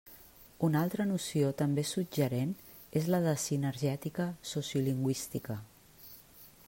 Una altra noció també suggerent és la de sinergètica sociolingüística.